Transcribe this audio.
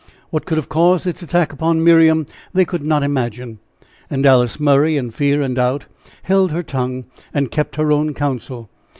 What could have caused its attack upon Miriam, they could not imagine. And Alice Murray, in fear and doubt, held her tongue and kept her own counsel.